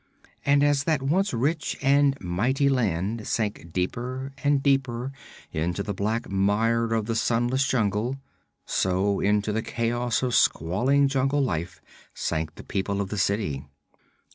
And as that once rich and mighty land sank deeper and deeper into the black mire of the sunless jungle, so into the chaos of squalling jungle life sank the people of the city.